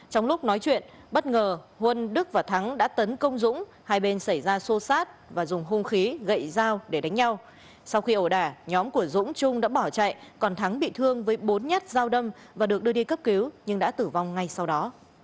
trong lúc nói chuyện bất ngờ huân đức và thắng đã tấn công dũng hai bên xảy ra xô xát và dùng hung khí gậy dao để đánh nhau sau khi ẩu đả nhóm của dũng trung đã bỏ chạy còn thắng bị thương với bốn nhát dao đâm và được đưa đi cấp cứu nhưng đã tử vong ngay sau đó